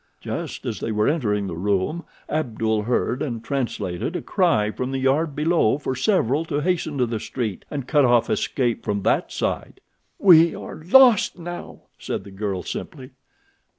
Just as they were entering the room Abdul heard and translated a cry from the yard below for several to hasten to the street and cut off escape from that side. "We are lost now," said the girl simply.